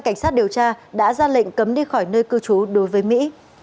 cảnh sát điều tra đã ra lệnh cấm đi khỏi nơi cư trú đối với mỹ